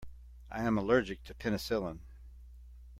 I am allergic to penicillin.